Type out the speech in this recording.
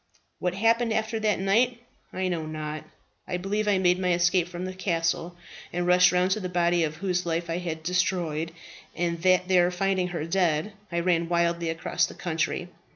"What happened after that night I know not. I believe that I made my escape from the castle and rushed round to the body of her whose life I had destroyed, and that there finding her dead, I ran wildly across the country.